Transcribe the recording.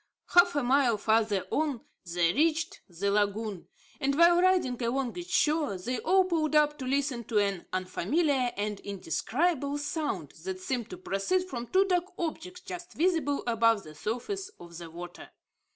Half a mile farther on they reached the lagoon; and while riding along its shore, they all pulled up to listen to an unfamiliar and indescribable sound, that seemed to proceed from two dark objects just visible above the surface of the water.